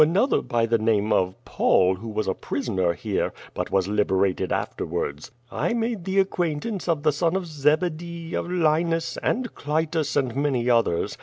another by the name of Paul, who was a prisoner here, bnt was liberated afterwards. I made the acquaintance of the son of Zebedee, of Linus, and Clitus, and many others.